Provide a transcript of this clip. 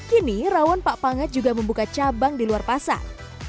kini rawan pak pangat juga membuka cabang di luar pasar